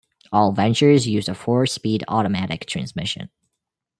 All Ventures used a four-speed automatic transmission.